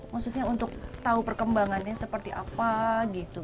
maksudnya untuk tahu perkembangannya seperti apa gitu